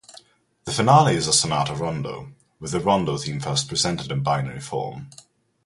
The finale is a sonata-rondo, with the rondo theme first presented in binary form.